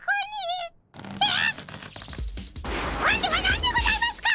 今度は何でございますか！